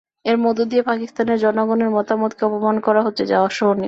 এর মধ্য দিয়ে পাকিস্তানের জনগণের মতামতকে অপমান করা হচ্ছে, যা অসহনীয়।